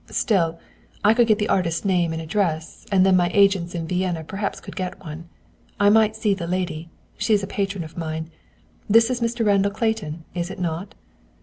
Still, I could get the artist's name and address, and then my agents in Vienna perhaps could get one. I might see the lady. She is a patron of mine. This is Mr. Randall Clayton, is it not?"